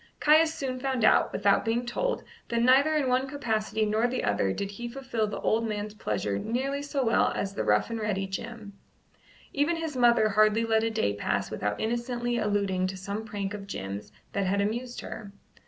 Caius soon found out, without being told, that neither in one capacity nor the other did he fulfil the old man's pleasure nearly so well as the rough and ready Jim. Even his mother hardly let a day pass without innocently alluding to some prank of Jim's that had amused her.